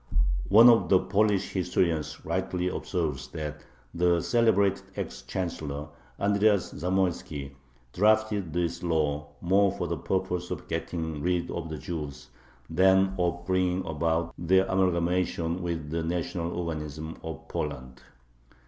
One of the Polish historians rightly observes that "the celebrated ex Chancellor [Andreas Zamoiski] drafted this law more for the purpose of getting rid of the Jews than of bringing about their amalgamation with the national organism [of Poland]."